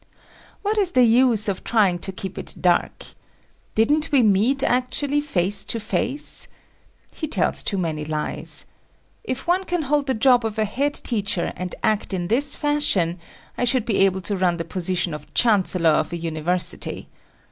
What is the use of trying to keep it dark. Didn't we meet actually face to face? He tells too many lies. If one can hold the job of a head teacher and act in this fashion, I should be able to run the position of Chancellor of a university.